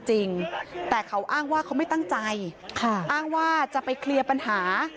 จริงแต่เขาอ้างว่าเขาไม่ตั้งใจอ้างว่าจะไปเคลียร์ปัญหา